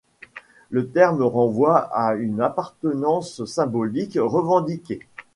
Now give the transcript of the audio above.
Le terme renvoie à une appartenance symbolique revendiquée.